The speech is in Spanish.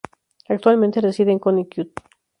Actualmente reside en Connecticut.